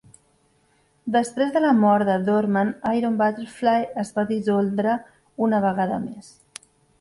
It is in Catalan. Després de la mort de Dorman, Iron Butterfly es va dissoldre una vegada més.